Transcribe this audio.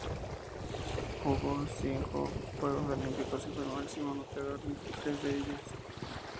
Jugó en cinco Juegos Olímpicos y fue el máximo anotador en tres de ellos.